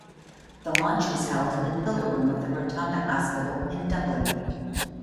The launch was held in the Pillar Room of the Rotunda Hospital in Dublin.